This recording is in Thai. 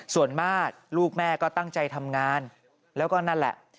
ส่วนมากลูกแม่ก็ตั้งใจทำงานแล้วก็นั่นแหละ